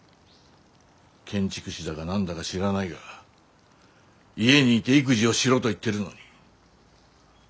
建築士だか何だか知らないが家にいて育児をしろと言ってるのに。